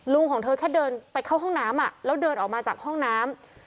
ของเธอแค่เดินไปเข้าห้องน้ำแล้วเดินออกมาจากห้องน้ำ